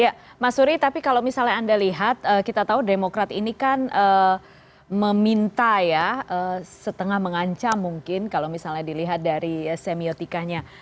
ya mas suri tapi kalau misalnya anda lihat kita tahu demokrat ini kan meminta ya setengah mengancam mungkin kalau misalnya dilihat dari semiotikanya